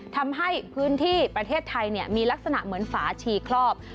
ทำให้พื้นที่ประเทศไทยมีลักษณะเหมือนฝาชีครอบ